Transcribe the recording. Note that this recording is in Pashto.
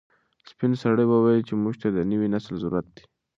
سپین سرې وویل چې موږ ته د نوي نسل ضرورت دی.